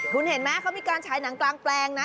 คุณเห็นไหมเขามีการฉายหนังกลางแปลงนะ